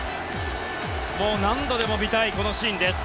もう何度でも見たいこのシーンです。